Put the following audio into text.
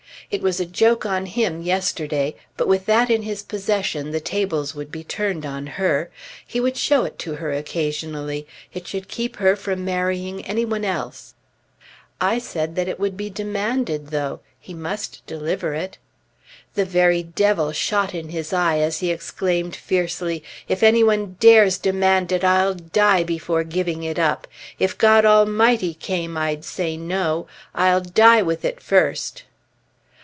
It was a joke on him yesterday, but with that in his possession, the tables would be turned on her. He would show it to her occasionally. It should keep her from marrying any one else. I said that it would be demanded, though; he must deliver it. The very devil shot in his eye as he exclaimed fiercely, "If any one dares demand it, I'll die before giving it up! If God Almighty came, I'd say no! I'll die with it first!"